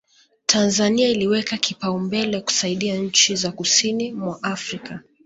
Tanzania iliweka kipaumbele kusaidia nchi za kusini mwa Afrika